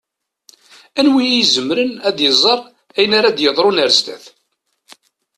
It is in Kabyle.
Anwa i izemren ad iẓeṛ ayen ara d-yeḍṛun ar zdat?